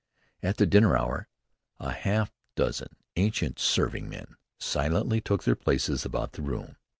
At the dinner hour, a half dozen ancient serving men silently took their places about the room.